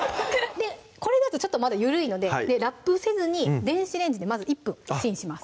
これだとちょっとまだ緩いのでラップせずに電子レンジでまず１分チンします